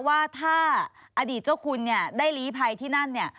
ว่าถ้าอดีตเจ้าคุณเนี่ยได้ลีภัยที่นั่นเนี่ย